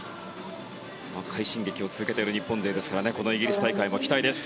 快進撃を続けている日本勢イギリス大会、期待です。